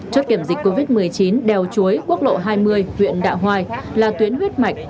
chốt kiểm dịch covid một mươi chín đèo chuối quốc lộ hai mươi huyện đạ hoài là tuyến huyết mạch